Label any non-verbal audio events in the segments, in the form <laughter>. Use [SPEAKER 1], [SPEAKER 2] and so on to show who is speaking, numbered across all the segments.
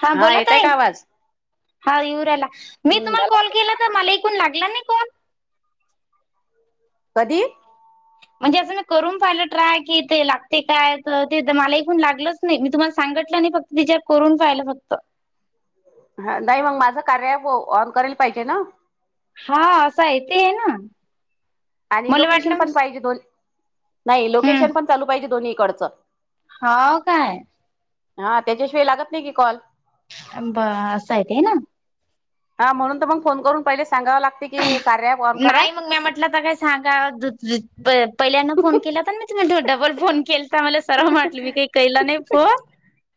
[SPEAKER 1] हा बोला
[SPEAKER 2] येतय
[SPEAKER 1] ताई
[SPEAKER 2] का आवाज
[SPEAKER 1] हा येऊ राहिला मी
[SPEAKER 2] हम्म
[SPEAKER 1] तुम्हाला कॉल
[SPEAKER 2] झाला
[SPEAKER 1] केला तर मले पण लागला नाय कॉल
[SPEAKER 2] कधी
[SPEAKER 1] म्हणजे असं मी करून पाहिलं ट्राय कि ते लागते काय तर ते मला हून लागलंच. नाय मी तुम्हाला सांगितलं नाय. फक्त चेक करून पायल फक्तं.
[SPEAKER 2] हा नाही मंग माझं कार्य ऐप ऑन करेल पाहिजे ना.
[SPEAKER 1] हा असं ते आहे ना.
[SPEAKER 2] आणि
[SPEAKER 1] मला
[SPEAKER 2] लोकेशन
[SPEAKER 1] वाटलं
[SPEAKER 2] पण पाहिजे दोन, नाही लोकेशन पण चालू पाहिजे दोन्ही इकडचं.
[SPEAKER 1] हो काय?
[SPEAKER 2] हा त्याच्याशिवाय लागत नाही की कॉल.
[SPEAKER 1] पण बस आहे ते ना.
[SPEAKER 2] हा म्हणून तर मग फोन करून पहिले सांगाव लागते की कार्या बो
[SPEAKER 1] नाही मग मी म्हटलं तर कायस सांगा ज ज प-पहिल्यांदना फोन केला प मी तुम्ही डबल फोन केला मला मले स परवा म्हटलं मी काही केला नाही फोन.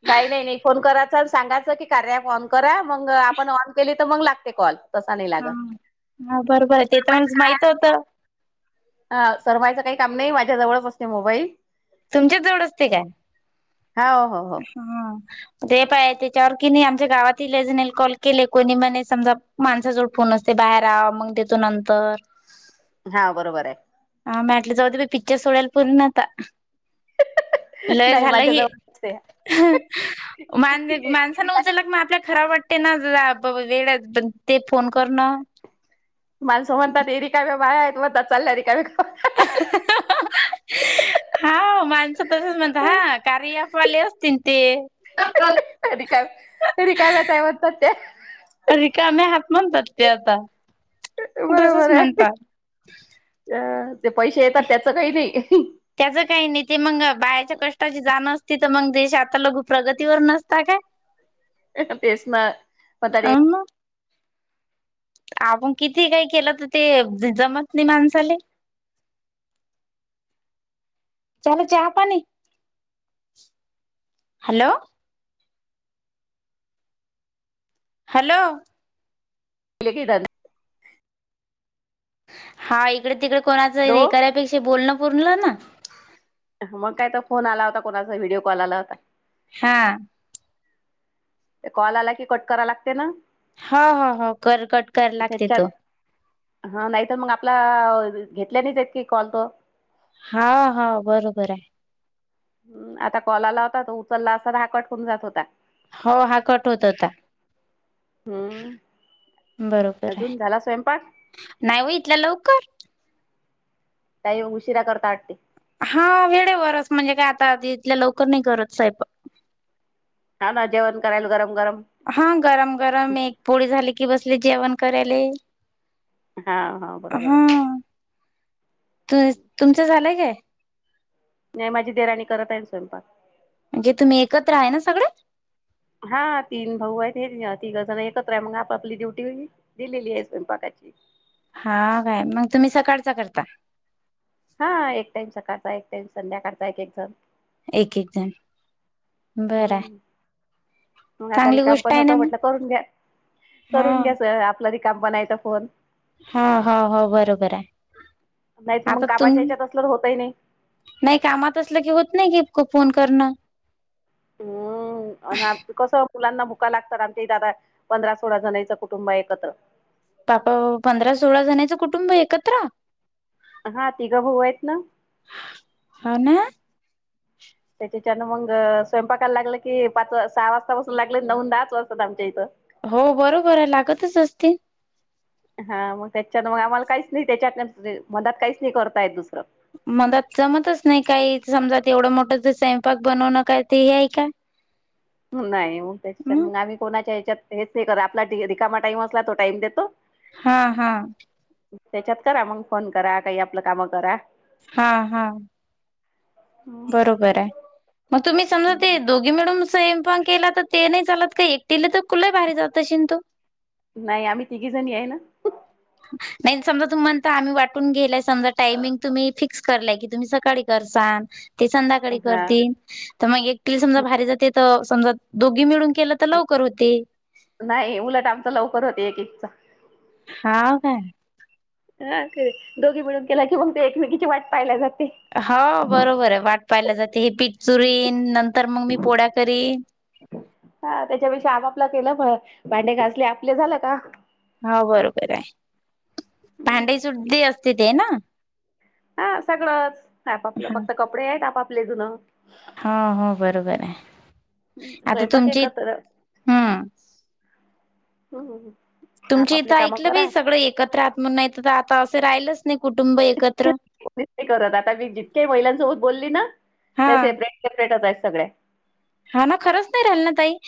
[SPEAKER 2] नाही नाही नाही फोन करायचा आणि सांगायचं की कार्या ॲप ऑन करा, मग आपण ऑन केली तर मग लागते कॉल तसा नाही
[SPEAKER 1] ह,
[SPEAKER 2] लागत
[SPEAKER 1] हा बरं बर ते तर मलाच माहित होतं.
[SPEAKER 2] हा सरमायचं काही काम नाही माझ्या जवळच असते मोबाईल.
[SPEAKER 1] तुमच्या जवळ असते काय?
[SPEAKER 2] हा हो हो
[SPEAKER 1] हा. दे पाया त्याच्यावर कि नाही आमच्या गावातील ले जनल कॉल केले कोणी म्हणे समजा माणसाजवळ फोन असते बाहेर आव मंग देतो नंतर.
[SPEAKER 2] हा बरोबर आहे.
[SPEAKER 1] हा मॅ मटलं जाऊ दे बाई पिक्चर सोडायल पूर्ण आता. लय
[SPEAKER 2] नाही
[SPEAKER 1] झालं
[SPEAKER 2] माझ्या
[SPEAKER 1] हि,
[SPEAKER 2] जवळ असते
[SPEAKER 1] मा माणसांन उचलला मग आपल्याला खरा वाट ते ना जाय प वेळ आहे तन ते फोन करणं.
[SPEAKER 2] माणसं म्हणतात रिकाम्या बाया आहेत, म्हणतात चालल्या रिका <unintelligible>
[SPEAKER 1] हो माणसं तसच म्हणता हा कार्या ॲपवाले असतीन ते.
[SPEAKER 2] क्यावं रिकाला ताय म्हणतात ते.
[SPEAKER 1] रिकाम्या हात म्हणतात ते आता. तसच
[SPEAKER 2] बरोबर आहे,
[SPEAKER 1] म्हणतात
[SPEAKER 2] जे पैसे येतात त्याच काही नाही.
[SPEAKER 1] त्याचं काही नाही ते मंग बायाच्या कष्टाची जाण असती तर मग देश आता लगु प्रगतीवर नसता काय.
[SPEAKER 2] तेच ना, मग ता रे
[SPEAKER 1] आपण किती काही केलं तर ते ज जमत नाही मानसाले. झाल चहा पाणी? हॅलो हॅलो
[SPEAKER 2] लेखी डा दाय
[SPEAKER 1] हा इकडे तिकडे कोणाचा हे नाही करापेक्षा बोलणं पूर्णलं ना.
[SPEAKER 2] मग काय तर फोन आला होता, कोणाचा व्हिडिओ कॉल आला होता.
[SPEAKER 1] हा.
[SPEAKER 2] ते कॉल आला की कट करा लागते ना.
[SPEAKER 1] हो हो हो, कर कट कराय लागते
[SPEAKER 2] त्याच्यात
[SPEAKER 1] तु.
[SPEAKER 2] हा नाही तर मग आपला घेतल्यानेच आहेत की कॉल तो.
[SPEAKER 1] हाव हाव बरोबर आहे.
[SPEAKER 2] आता कॉल आला होता तो उचलला असता तर हा कट होऊन जात होता.
[SPEAKER 1] हो हा कट होत होता.
[SPEAKER 2] हम्म, अजून झाला स्वयंपाक?
[SPEAKER 1] नाय हो इतल्या लवकर.
[SPEAKER 2] ताई उशिरा करता वाटते.
[SPEAKER 1] हा वेळेवरच म्हणजे काय आता ईथल्या लवकर नाही करत स्वयंपाक.
[SPEAKER 2] हा ना जेवण करायला गरम गरम.
[SPEAKER 1] हा गरम गरम एक पोळी झाली की, बसले जेवण करायले.
[SPEAKER 2] हा हा बरोबर आहे.
[SPEAKER 1] तु-तुमचं झालंय काय?
[SPEAKER 2] नाही माझी देवराणी करत आहे स्वयंपाक.
[SPEAKER 1] म्हणजे तुम्ही एकत्र आहे ना सगळे?
[SPEAKER 2] हा तीन भाऊ आहेत, हे तिघजण एकत्र आहे मग आपापली ड्युटी वेगळी. दिलेली आहे स्वयंपाकाची.
[SPEAKER 1] हा काय मग तुम्ही सकाळचा करता.
[SPEAKER 2] हा एक टाइम सकाळचा, एक टाइम संध्याकाळचा एक एक जण.
[SPEAKER 1] एकेक जण बरं आहे.
[SPEAKER 2] हम्म मग आता
[SPEAKER 1] चांगली
[SPEAKER 2] रिकाम
[SPEAKER 1] गोष्ट
[SPEAKER 2] पण
[SPEAKER 1] आहे
[SPEAKER 2] होत
[SPEAKER 1] ना मग
[SPEAKER 2] म्हटलं करून घ्या, करून
[SPEAKER 1] हा
[SPEAKER 2] घ्याचं. रिकाम बनायचा फोन.
[SPEAKER 1] हा हा हो बरोबर आहे.
[SPEAKER 2] नाहीत मग
[SPEAKER 1] आता तुम
[SPEAKER 2] कामाच्या याच्यात असलं तर होतही नाही
[SPEAKER 1] नाही कामात असलं की, होत नाही की फोन करणं.
[SPEAKER 2] हम्म. हा कसं मुलांना भुका लागतात, आमच्या इथं आता पंधरा सोळा जणाचं कुटुंब आहे एकत्र.
[SPEAKER 1] बाप पंधरा सोळा जण्याचं कुटुंब एकत्र.
[SPEAKER 2] हा तिघं भाऊ आहेत ना.
[SPEAKER 1] हा ना.
[SPEAKER 2] त्याच्याच्यान मंग स्वयंपाकायला लागलं की, पाच सहा वाजतापासून लागलं नऊ आणि दहाच वाजता आमच्या इथं.
[SPEAKER 1] हो बरोबर आहे लागतच असते.
[SPEAKER 2] हा मग त्याच्यान मग आम्हाला काहीच नाही, त्याच्यात मधात काहीच नाही करता येत दुसरं.
[SPEAKER 1] मला जमतच नाही काही, समजा तेवढं मोठं स्वयंपाक बनवणं काय ते हे आहे का.
[SPEAKER 2] <inaudible> नाही मग त्याच्याच्यांन
[SPEAKER 1] हम्म
[SPEAKER 2] मग आम्ही कोणाच्या हेच्यात हेच नाही करत, आपला रिकामा टाईम असला तो टाईम देतो.
[SPEAKER 1] हा हा.
[SPEAKER 2] त्याच्यात करा मग फोन करा, काही आपलं काम करा.
[SPEAKER 1] हा हा. बरोबर आहे. मग तुम्ही समजा ते दोघी मिळून स्वयंपाक केला, तर ते नाही चालत का? एकटीला तर लय भारी जात असेन तो.
[SPEAKER 2] नाही आम्ही तिघी जणी आहे ना.
[SPEAKER 1] नाही समजा तुम्ही म्हणता आम्ही वाटून घेलाय समजा टायमिंग तुम्ही फिक्स करलाय, की तुम्ही सकाळी करसान. ते संध्याकाळी
[SPEAKER 2] हा.
[SPEAKER 1] करतील. तर मग एकटिल समजा भारी जाते. तर समजा दोघी मिळून केलं त लवकर होती.
[SPEAKER 2] नाही उलट आमचं लवकर होते एक एकचा.
[SPEAKER 1] हाव काय?
[SPEAKER 2] हा ते दोघी मिळून केला की मग ते एकमेकीची वाट पहायला जाते.
[SPEAKER 1] हो बरोबर आहे वाट पाहिल्या जाते. हे पीठ चुरीन नंतर मग मी पोळ्या करीन.
[SPEAKER 2] हा त्याच्यापेक्षा आपापला केलं भांडे घासले आपले झालं का.
[SPEAKER 1] हो बरोबर आहे. भांडई सुडी असते ते ना?
[SPEAKER 2] हा सगळंच. आपापलं
[SPEAKER 1] हा.
[SPEAKER 2] फक्त कपडे आहेत आपापले धुन
[SPEAKER 1] हा हो बरोबर आहे. आता
[SPEAKER 2] स्वयंपाक
[SPEAKER 1] तुमची
[SPEAKER 2] एकत्र
[SPEAKER 1] हम्म
[SPEAKER 2] हम्म.
[SPEAKER 1] तुमचे
[SPEAKER 2] आपापले
[SPEAKER 1] इथं
[SPEAKER 2] कामं
[SPEAKER 1] ऐकलं बाई
[SPEAKER 2] करा
[SPEAKER 1] सगळं एकत्र आहात म्हणून नाही तर आता असं राहिलंच नाही कुटुंब एकत्र.
[SPEAKER 2] <unintelligible> करत आता मी जितके महिलांसोबत बोलली ना
[SPEAKER 1] हा
[SPEAKER 2] त्या सेपरेट सेपरेटच आहेत सगळ्या.
[SPEAKER 1] हा ना खरंच नाही राहिलं ना ताई.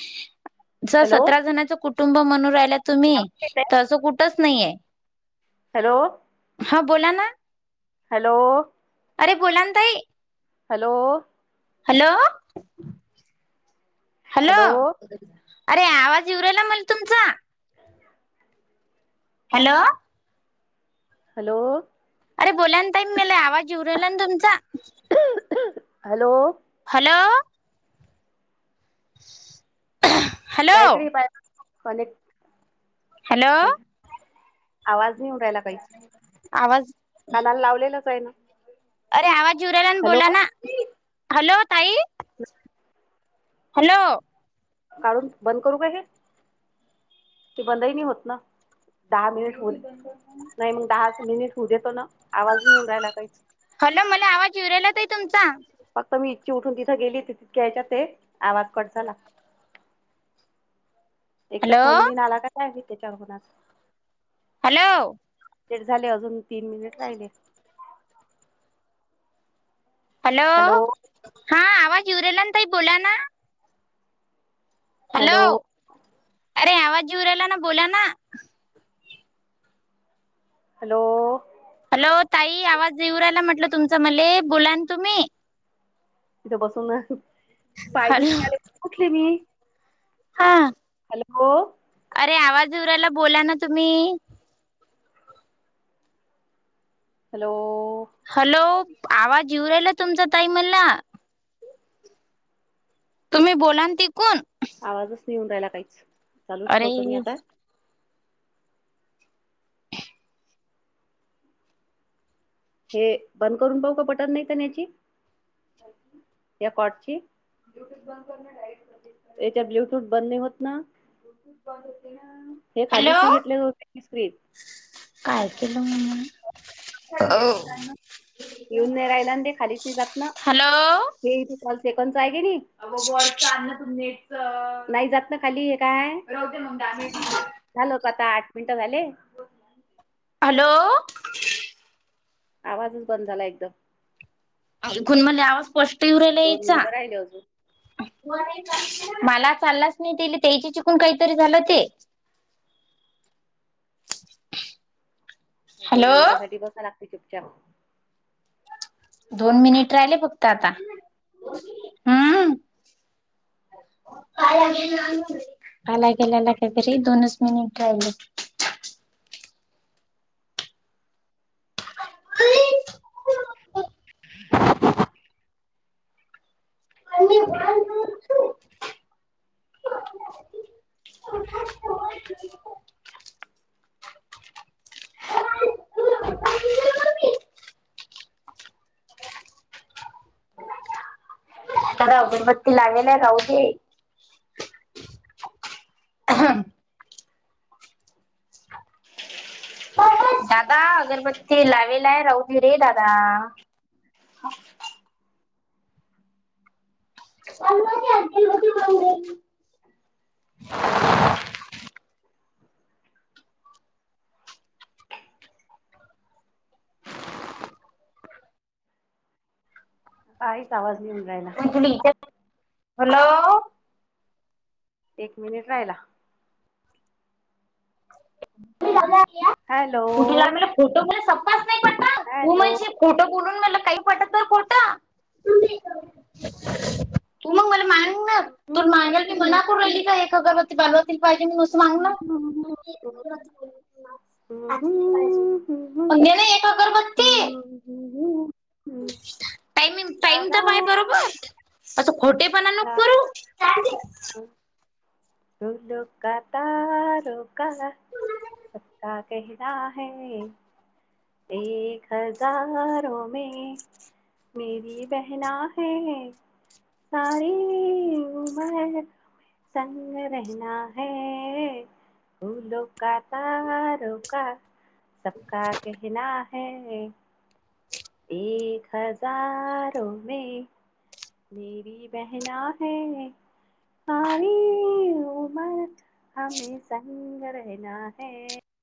[SPEAKER 1] जर
[SPEAKER 2] हॅलो
[SPEAKER 1] सतरा जणांच कुटुंब म्हणून राहिला तुम्ही, तर असं कुठच नाहीये.
[SPEAKER 2] हॅलो.
[SPEAKER 1] हा बोला ना.
[SPEAKER 2] हॅलो.
[SPEAKER 1] अरे बोला ना ताई.
[SPEAKER 2] हॅलो.
[SPEAKER 1] Hello hello. अरे आवाज येऊ राहीला मले तुमचा. हॅलो.
[SPEAKER 2] हॅलो.
[SPEAKER 1] अरे बोला ना ताई मला आवाज येऊ राहिला ना तुमचा.
[SPEAKER 2] हॅलो.
[SPEAKER 1] हॅलो. <inaudible> हॅलो
[SPEAKER 2] कायतरी बाय कनेक्ट
[SPEAKER 1] हॅलो
[SPEAKER 2] <unintelligible> आवाज नाही येऊ राहिला काहीच,
[SPEAKER 1] आवाज
[SPEAKER 2] कानाला लावलेलंच आहे ना.
[SPEAKER 1] अरे आवाज येऊ राहिला
[SPEAKER 2] हॅलो
[SPEAKER 1] बोला ना, हॅलो ताई. हॅलो.
[SPEAKER 2] काऊन बंद करू काय हे? ते बंदही नई होत ना. दहा मिनिट हो नाही मग दहाच मिनिट होऊ देतो ना. आवाज नाही येऊन राहिला काहीच.
[SPEAKER 1] हॅलो, मला आवाज येऊन राहिला ताई तुमचा.
[SPEAKER 2] फक्त मी इच्छी उठून तिथं गेली तितक्या येच्यात ते आवाज कट झाला. एक तरी
[SPEAKER 1] हॅलो
[SPEAKER 2] फोन बिन आला का काय तेच्यावर कूणाचा.
[SPEAKER 1] हॅलो.
[SPEAKER 2] लेट झाले अजून तीन मिनिट राहिले.
[SPEAKER 1] हॅलो.
[SPEAKER 2] हॅलो.
[SPEAKER 1] हा आवाज येऊ राहिला ना ताई बोला ना. हॅलो, अरे आवाज येऊ राहिला ना बोला ना.
[SPEAKER 2] हॅलो.
[SPEAKER 1] हॅलो ताई आवाज येऊ राहिला म्हटलं तुमचं मले बोलान तुम्ही.
[SPEAKER 2] तिथं बसून पाय
[SPEAKER 1] हॅलो
[SPEAKER 2] दुखायले उठले मी.
[SPEAKER 1] हा
[SPEAKER 2] हॅलो.
[SPEAKER 1] अरे आवाज येऊ राहिला, बोला ना तुम्ही.
[SPEAKER 2] हॅलो.
[SPEAKER 1] हॅलो आवाज येऊ राहिला तुमचा ताई मला. तुम्ही बोला न तिकुन.
[SPEAKER 2] आवाजच नई येऊन रायला काहीच, चालूच
[SPEAKER 1] अरे
[SPEAKER 2] ठेवतो मी आता. हे बंद करून पाहू का बटन नाही तर याची, या कॉटची? ब्लूटूथ बंद करणार आहेत मध्ये, याच्यात ब्लूटूथ बंद नई होत ना. ब्लूटूथ बंद होतंय ना. हे खालीच
[SPEAKER 1] हॅलो
[SPEAKER 2] नई घेतलेले होती ती स्क्रीन.
[SPEAKER 1] काय की मग <unintelligible>
[SPEAKER 2] येऊन नई रायलान, ते खालीच नई जात ना.
[SPEAKER 1] हॅलो
[SPEAKER 2] हे इथं कॉल सेकंदच आहे की नाही <unintelligible> नाही जात ना खाली हे काय. राहू दे मग डॅमेट होऊ दे. झालं. तू आता आठ मिनिटं झाले ‌.
[SPEAKER 1] हॅलो.
[SPEAKER 2] आवाजच बंद झाला एकदम.
[SPEAKER 1] कोणी म्हणले आवाज स्पष्ट येऊ राहिले
[SPEAKER 2] दोन
[SPEAKER 1] हेचा.
[SPEAKER 2] मिनिटं राहिले अजून
[SPEAKER 1] मला चाललाच नई तैले, तैचे चुकून कई तरी झालं ते.
[SPEAKER 2] दोन
[SPEAKER 1] हॅलो
[SPEAKER 2] मिनिटांसाठी बसाय लागते चुपचाप.
[SPEAKER 1] दोन मिनिट रायले फक्त आता. हं. आला गेलाला का घरी दोनच मिनट राहिलेत.
[SPEAKER 2] <inaudible>
[SPEAKER 1] हाय मीन वन <inaudible> त्याला अगरबत्ती लावेले राहू दे. <unintelligible>
[SPEAKER 2] <inaudible>
[SPEAKER 1] दादा अगरबत्ती लावेलाय राहू दे रे दादा. <unintelligible>
[SPEAKER 2] काहीच आवाज नाही
[SPEAKER 1] <unintelligible>
[SPEAKER 2] येऊन राहिला
[SPEAKER 1] हॅलो.
[SPEAKER 2] एक मिनिट राहिला.
[SPEAKER 1] <unintelligible>
[SPEAKER 2] हॅलो
[SPEAKER 1] खोटं
[SPEAKER 2] हॅलो
[SPEAKER 1] बोलून मला काही पटल तर खोटं. <unintelligible> तू मा मला मरीन बघ, तू मागेल की मना करू राहिली का एका अगरबती <unintelligible> <unintelligible> आणखीन एक पाहिजे, पण घे ना एक अगरबत्ती.
[SPEAKER 2] <unintelligible>
[SPEAKER 1] टाइमिंग
[SPEAKER 2] ला
[SPEAKER 1] टाईम तर
[SPEAKER 2] ला
[SPEAKER 1] तर पाय बरोबर. असा खोटेपणा
[SPEAKER 2] ला
[SPEAKER 1] नको करु.
[SPEAKER 2] <unintelligible> सबका कहना है. एक हजारो मे
[SPEAKER 1] <inaudible>
[SPEAKER 2] <unintelligible> संग रहना है. फुलों का तारोका सबका कहना है. एक हजारो मे मेरी बहना है. सारी उमर हमे संग रहना है.